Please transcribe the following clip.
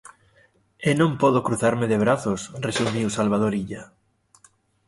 E non podo cruzarme de brazos, resumiu Salvador Illa.